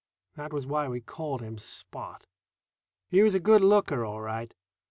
That was why we called him Spot. He was a good looker all right.